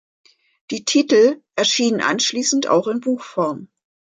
Die Titel erschienen anschließend auch in Buchform.